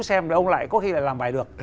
xem ông lại có khi làm bài được